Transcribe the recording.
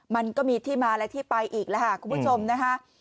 มันก็มีที่มาและที่ไปอีกแล้วค่ะคุณผู้ชมนะคะ